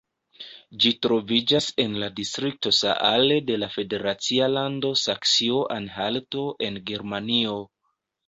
Ĝi troviĝas en la distrikto Saale de la federacia lando Saksio-Anhalto en Germanio.